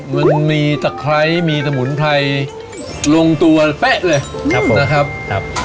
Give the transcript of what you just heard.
มันมีตะไคร้มีตะหมุนไพรลงตัวแป๊ะเลยครับผมนะครับครับ